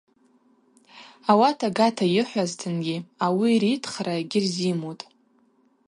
Ауат агата йыхӏвазтынгьи ауи ритхра гьырзимутӏ.